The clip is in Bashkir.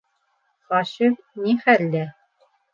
Хашим... ни хәлдә?